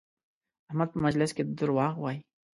احمد په مجلس کې دروغ وایي؛